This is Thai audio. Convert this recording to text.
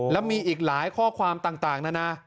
แล้วมีอีกหลายข้อความต่างนานา